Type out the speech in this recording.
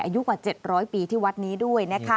อายุกว่า๗๐๐ปีที่วัดนี้ด้วย